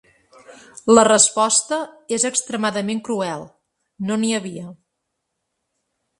La resposta és extremadament cruel: ‘No n’hi havia’.